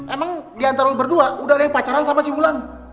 emang diantara lo berdua udah ada yang pacaran sama si ulang